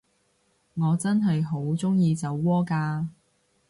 我真係好鍾意酒窩㗎